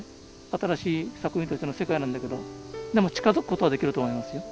新しい作品としての世界なんだけどでも近づくことはできると思いますよ。